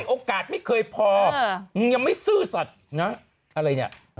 โอกาสไม่เคยพอมึงยังไม่ซื่อสัตว์นะอะไรเนี่ย